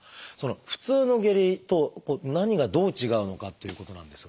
普通の下痢と何がどう違うのかっていうことなんですが。